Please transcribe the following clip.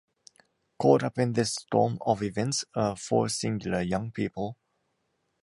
Caught up in this storm of events are four singular young people.